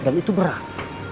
dan itu berat